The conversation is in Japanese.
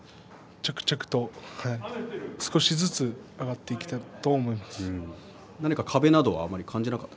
着々と少しずつ上がってきたと思います。